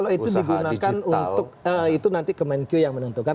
kalau itu digunakan untuk itu nanti kemenkyu yang menentukan